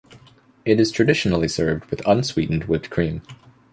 It is traditionally served with unsweetened whipped cream.